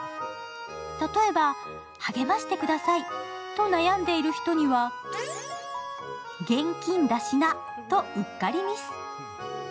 例えば、励ましてくださいと悩んでいる人にはげんきんだしなとうっかりミス。